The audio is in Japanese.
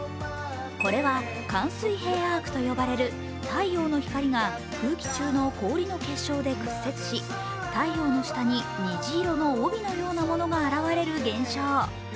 これは環水平アークと呼ばれる太陽の光が空気中の氷の結晶で屈折し、太陽の下に虹色の帯のようなものが現れる現象。